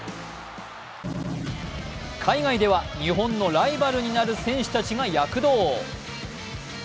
海外では日本のライバルになる選手たちが躍動。